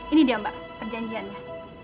ini dia mbak perjanjiannya